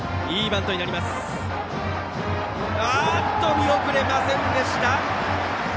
見送れませんでした！